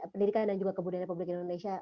pendidikan dan juga kebudayaan republik indonesia